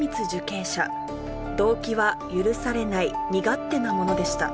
動機は許されない身勝手なものでした。